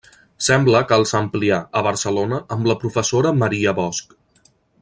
Sembla que els amplià, a Barcelona, amb la professora Maria Bosch.